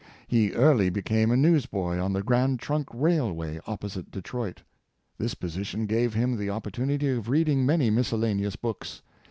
He early became a newsboy on the Grand Trunk rail way, opposite Detroit. This position gave him the op portunity of reading many miscellaneous books.